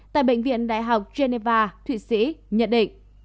tại bệnh viện đại học geneva thụy sĩ nhận định